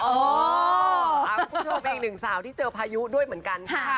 คุณผู้ชมเป็นอีกหนึ่งสาวที่เจอพายุด้วยเหมือนกันค่ะ